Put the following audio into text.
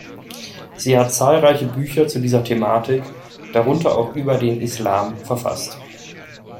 Sie hat zahlreiche Bücher zu dieser Thematik, darunter auch über den Islam, verfasst.